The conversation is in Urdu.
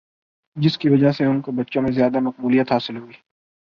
جس کی وجہ سے ان کو بچوں میں زیادہ مقبولیت حاصل ہوئی